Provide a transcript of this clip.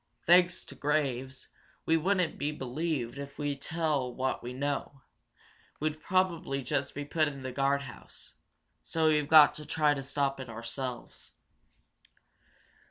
Thanks to Graves, we wouldn't be believed if we tell what we know we'd probably just be put in the guard house. So we've got to try to stop it ourselves."